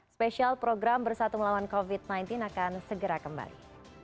spesial program bersatu melawan covid sembilan belas akan segera kembali